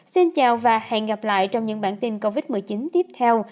xin chào và hẹn gặp lại trong những bản tin covid một mươi chín tiếp theo